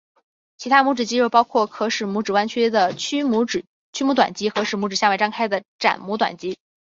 其他拇指肌肉包括可使拇指弯曲的屈拇短肌和使拇指向外张开的展拇短肌。